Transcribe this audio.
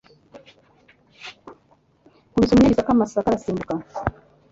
Nkubise umunyagisaka amasaka arasimbuka